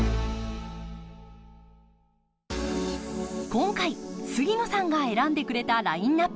今回杉野さんが選んでくれたラインナップ。